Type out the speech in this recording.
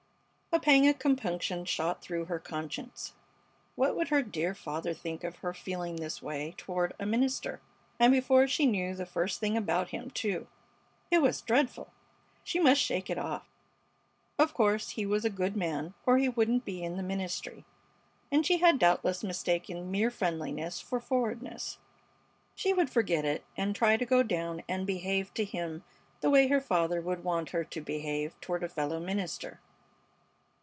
A pang of compunction shot through her conscience. What would her dear father think of her feeling this way toward a minister, and before she knew the first thing about him, too? It was dreadful! She must shake it off. Of course he was a good man or he wouldn't be in the ministry, and she had doubtless mistaken mere friendliness for forwardness. She would forget it and try to go down and behave to him the way her father would want her to behave toward a fellow minister.